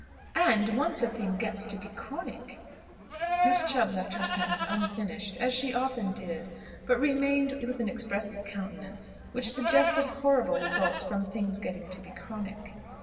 And, once a thing gets to be chronic " Miss Chubb left her sentence unfinished, as she often did; but remained with an expressive countenance, which suggested horrible results from "things getting to be chronic."